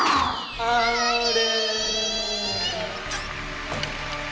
あれ。